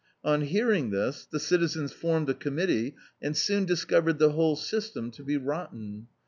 On hearing this, the citizens formed a committee, and soon discovered the whole system to be rotten.